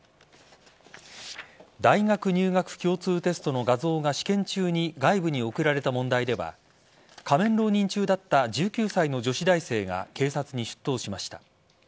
大学入学共通テストの画像が試験中に外部に送られた問題では仮面浪人中だった１９歳の女子大生が警察に出頭しました。